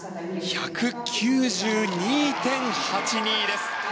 １９２．８２です。